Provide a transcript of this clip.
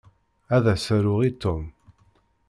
Ad as-aruɣ i Tom.